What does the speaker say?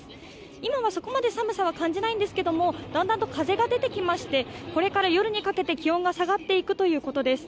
今はそこまで寒さは感じないんですけれども、だんだんと風が出てきまして、これから夜にかけて気温が下がっていくということです。